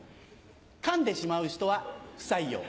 かんでしまう人は不採用。